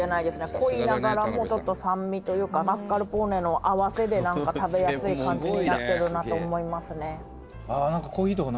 「濃いながらもちょっと酸味というかマスカルポーネの合わせでなんか食べやすい感じになってるなと思いますね」